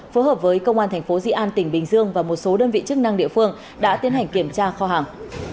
phối hợp với công an tp di an tỉnh bình dương và một số đơn vị chức năng địa phương đã tiến hành kiểm tra kho hàng